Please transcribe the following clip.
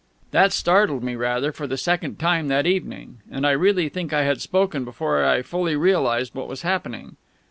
"_ That startled me, rather, for the second time that evening; and I really think I had spoken before I had fully realised what was happening.